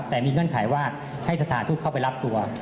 แต่มีเงื่อนไขว่าให้สถานทูตเข้าไปรับตัว